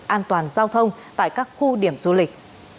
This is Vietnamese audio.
an toàn giao thông tại các khu điểm du lịch